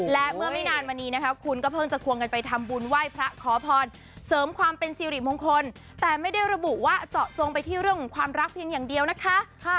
และเมื่อไม่นานมานี้นะคะคุณก็เพิ่งจะควงกันไปทำบุญไหว้พระขอพรเสริมความเป็นสิริมงคลแต่ไม่ได้ระบุว่าเจาะจงไปที่เรื่องของความรักเพียงอย่างเดียวนะคะ